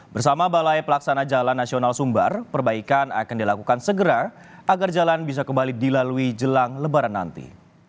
bersama balai pelaksana jalan nasional sumbar perbaikan akan dilakukan segera agar jalan bisa kembali dilalui jelang lebaran nanti